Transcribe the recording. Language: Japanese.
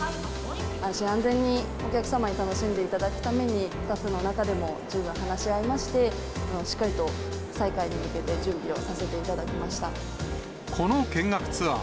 安心安全にお客様に楽しんでいただくために、スタッフの中でも十分に話し合いまして、しっかりと再開に向けてこの見学ツアー。